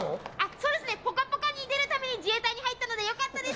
そうですね「ぽかぽか」に出るために自衛隊に入ったので良かったです。